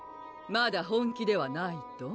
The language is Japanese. まだ本気ではないと？